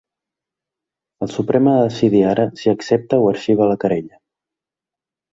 El Suprem ha de decidir ara si accepta o arxiva la querella.